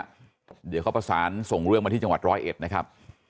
เดี๋ยวเขาประสานส่งเรื่องมาที่จังหวัดร้อยเอ็ดนะครับ